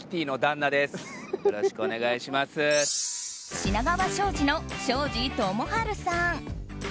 品川庄司の庄司智春さん。